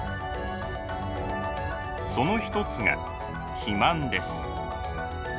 その一つが肥満です。